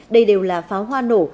đây đều là pháo hoa nổ